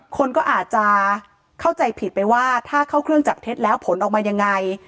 คนก็อาจจะเข้าใจผิดไปว่าถ้าเข้าเครื่องจับเท็จแล้วผลออกมายังไง